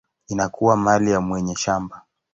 inakuwa mali ya mwenye shamba.